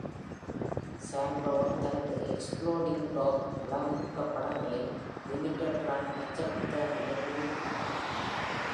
சாம் Brown தனது explodingdog விளக்கப்படங்களின் limited-run அச்சப்ு புத்தகங்களை வெளியிட்டுள்ளார்.